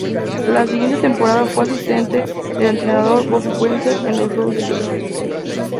La siguiente temporada fue asistente del entrenador Bob Wenzel en los Rutgers.